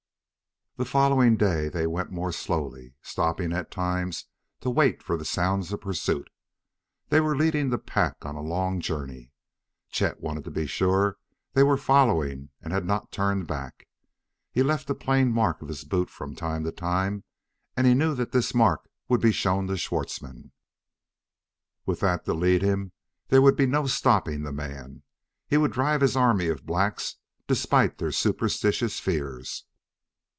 The following day they went more slowly, stopping at times to wait for the sounds of pursuit. They were leading the pack on a long journey; Chet wanted to be sure they were following and had not turned back. He left a plain mark of his boot from time to time, and knew that this mark would be shown to Schwartzmann. With that to lead him there would be no stopping the man: he would drive his army of blacks despite their superstitious fears.